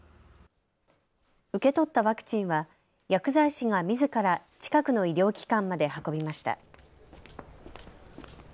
受け取ったワクチンは薬剤師がみずから近くの医療機関まで運びました。